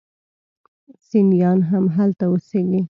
سنیان هم هلته اوسیږي.